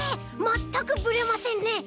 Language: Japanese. まったくブレませんね！